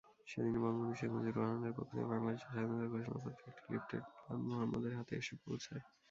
সেদিনই বঙ্গবন্ধু শেখ মুজিবুর রহমানের পক্ষ থেকে বাংলাদেশের স্বাধীনতার ঘোষণাপত্রের একটি লিফলেট বেলাল মোহাম্মদের হাতে এসে পৌছায়।